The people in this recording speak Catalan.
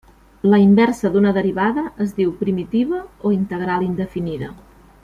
La inversa d'una derivada es diu primitiva o integral indefinida.